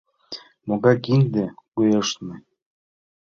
Могай кинде кӱэштме?